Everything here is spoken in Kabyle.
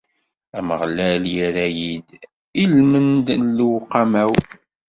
Ameɣlal irra-yi-d ilmend n lewqama-w.